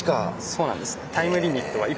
そうなんです。